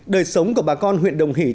đời sống của bà con huyện đồng hiệp